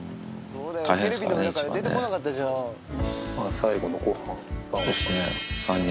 最後のご飯。